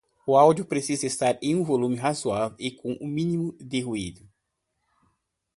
o áudio precisa estar em um volume razoável e com o mínimo de ruídos